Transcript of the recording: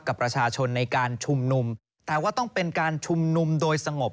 กับประชาชนในการชุมนุมแต่ว่าต้องเป็นการชุมนุมโดยสงบ